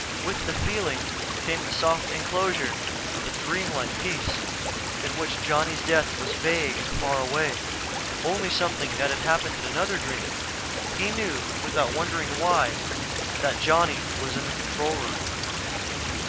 With the feeling came the soft enclosure of a dream like peace in which Johnny's death was vague and faraway; only something that had happened in another dream. He knew, without wondering why, that Johnny was in the control room.